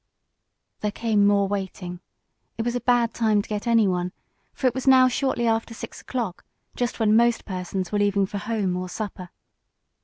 There came more waiting. It was a bad time to get anyone, for it was now shortly after six o'clock, just when most persons were leaving for home or supper.